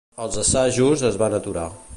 Els assajos es van aturar.